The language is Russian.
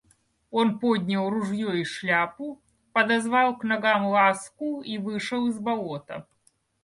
Он поднял ружье и шляпу, подозвал к ногам Ласку и вышел из болота.